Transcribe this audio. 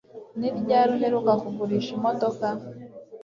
Ni ryari uheruka kugurisha imodoka?